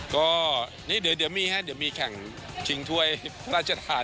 ก็เดี๋ยวจะมีแห่งชิงถ้วยราชธาน